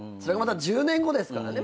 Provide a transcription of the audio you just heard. １０年後ですからね